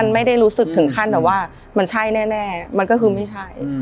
มันไม่ได้รู้สึกถึงขั้นแบบว่ามันใช่แน่มันก็คือไม่ใช่